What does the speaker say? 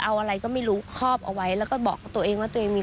เอาอะไรก็ไม่รู้ครอบเอาไว้แล้วก็บอกตัวเองว่าตัวเองมี